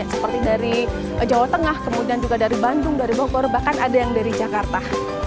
seperti dari jawa tengah kemudian juga dari bandung dari bogor bahkan ada yang dari jakarta